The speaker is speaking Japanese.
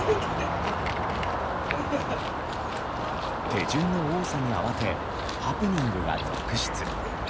手順の多さに慌てハプニングが続出。